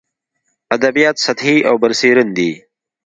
ادبیات سطحي او برسېرن دي.